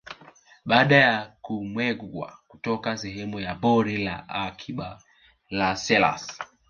Baada ya kumegwa kutoka sehemu ya Pori la Akiba la Selous